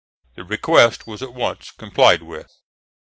The request was at once complied with.